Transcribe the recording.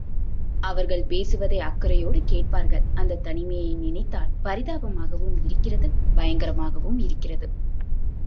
அவர்கள் பேசுவதை அக் கரையோடு கேட்பார்கள் அந்தத் தனிமையை நினைத்தால் பரிதாபமாகவும் இருக்கிறது பயங்கரமாகவும் இருக்கிறது.